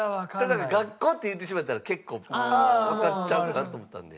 だから学校って言ってしまったら結構わかっちゃうなって思ったので。